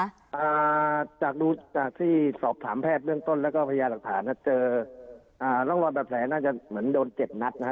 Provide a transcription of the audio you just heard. อ่าจากที่สอบถามแพทย์เรื่องต้นแล้วก็พยาแรกฐานน่ะเจอเรื่องร่องรอยบาดแขนน่าจะเหมือนโดนเจ็บนัทนะคะ